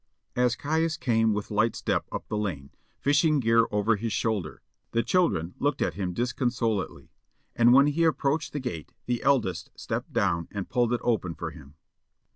As Caius came with light step up the lane, fishing gear over his shoulder, the children looked at him disconsolately, and when he approached the gate the eldest stepped down and pulled it open for him.